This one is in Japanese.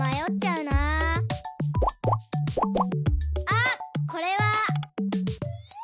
あっこれは。